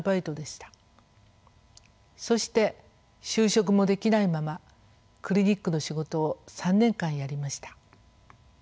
そして就職もできないままクリニックの仕事を３年間やりました。